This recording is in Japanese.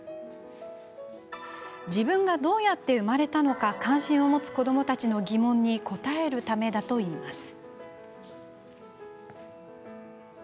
自分がどうやって生まれたのか関心を持つ子どもたちの疑問に答えるためだといいます。